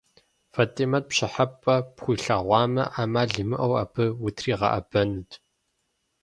Фэтимэт пщӏыхьэпэ пхуилъагъуамэ, ӏэмал имыӏэу абы утригъэӏэбэнут.